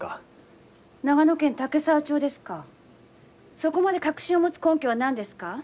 そこまで確信を持つ根拠は何ですか？